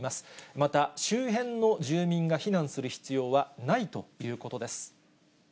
また周辺の住民が避難する必要はないということです。